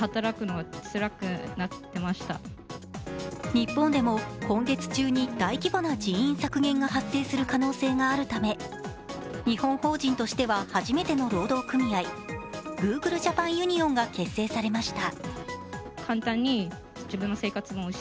日本でも今月中に大規模な人員削減が発生する可能性があるため日本法人としては初めての労働組合、グーグルジャパンユニオンが結成されました。